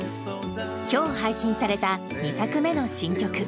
今日、配信された２作目の新曲